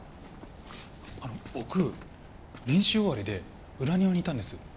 あの僕練習終わりで裏庭にいたんです。